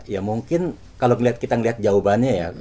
ya mungkin kalau kita melihat jawabannya ya